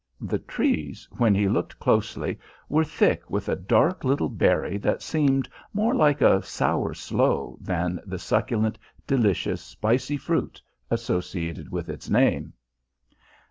The trees, when he looked closely, were thick with a dark little berry that seemed more like a sour sloe than the succulent, delicious spicy fruit associated with its name.